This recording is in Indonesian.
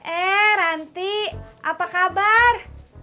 eh ranti apa kabar